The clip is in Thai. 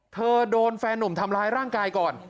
โดนแฟนหนุ่มทำร้ายร่างกายก่อน